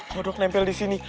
kodok nempel di sini